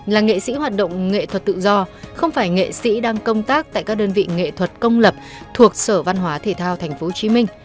là nghệ sĩ hoạt động nghệ thuật tự do không phải nghệ sĩ đang công tác tại các đơn vị nghệ thuật công lập thuộc sở văn hóa thể thao tp hcm